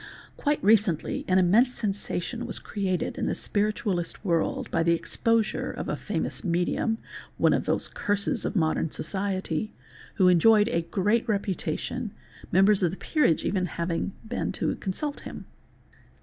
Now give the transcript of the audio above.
Quite recently an immense sensation was created in the spiritualist world by the exposure of a famous medium (one of those curses of modern — society) who enjoyed a great reputation, members of the peerage even hav ing been to consult him.